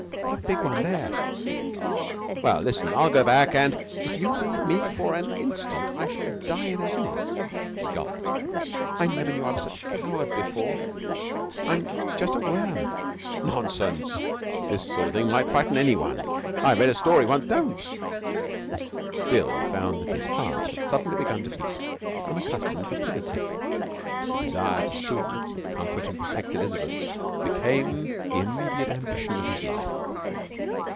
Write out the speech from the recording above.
'That big one there.' 'Well, listen: I'll go back and ' 'If you leave me for an instant I shall die in agonies.' She gulped. 'I never knew I was such a coward before. I'm just a worm.' 'Nonsense. This sort of thing might frighten anyone. I read a story once ' 'Don't!' Bill found that his heart had suddenly begun to beat with unaccustomed rapidity. The desire to soothe, comfort, and protect Elizabeth became the immediate ambition of his life.